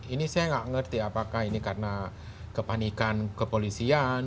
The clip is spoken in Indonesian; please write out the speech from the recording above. ini saya nggak ngerti apakah ini karena kepanikan kepolisian